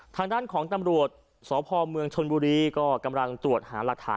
ทางด้านของตำรวจสพเมืองชนบุรีก็กำลังตรวจหาหลักฐาน